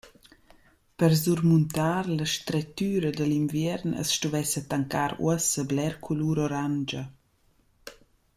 Per surmuntar la strettüra da l’inviern as stuvessa tancar uossa bler culur orandscha.»